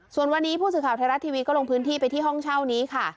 ส่วนวันนี้ผู้สื่อข่าวไทยรัฐทีวีก็ลงพื้นที่ไปที่ห้องเช่านี้ค่ะ